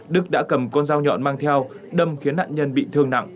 đức đã cầm con dao nhọn mang theo đâm khiến nạn nhân bị thương nặng